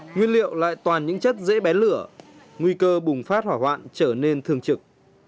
nguyên liệu lại toàn những chất dễ bén lửa nguy cơ bùng phát hỏa hoạn trở nên thường trực